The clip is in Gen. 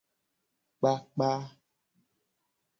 Kpakpa.